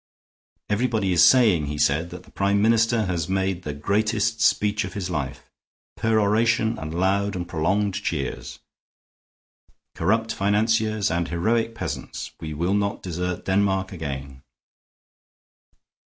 "Everybody is saying," he said, "that the Prime Minister has made the greatest speech of his life. Peroration and loud and prolonged cheers. Corrupt financiers and heroic peasants. We will not desert Denmark again."